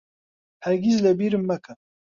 هەرگیز لەبیرم مەکە.